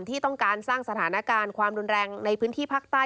ที่ต้องการสร้างสถานการณ์ความรุนแรงในพื้นที่ภาคใต้